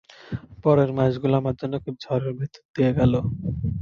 পরের মাসগুলো আমার জন্য খুব ঝড়ের ভেতর দিয়ে গেল।